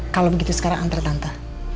kalau begitu sekarang anter tante